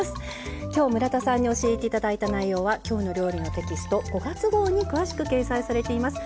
今日村田さんに教えていただいた内容は「きょうの料理」のテキスト５月号に詳しく掲載されています。